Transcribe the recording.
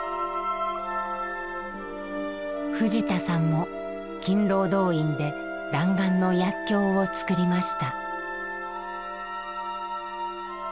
藤田さんも勤労動員で弾丸の薬きょうを作りました。